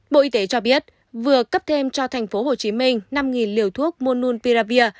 bộ y tế cho biết vừa cấp thêm cho thành phố hồ chí minh năm liều thuốc monunviravir